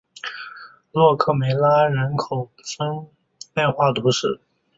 洛克梅拉人口变化图示